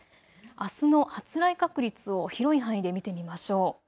あすの発雷確率を広い範囲で見てみましょう。